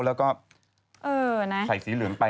แล้วก็ใส่สีเหลืองไป